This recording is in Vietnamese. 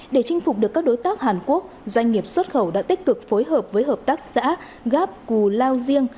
để chinh phục được các đối tác hàn quốc doanh nghiệp xuất khẩu đã tích cực phối hợp với hợp tác xã gap cù lao riêng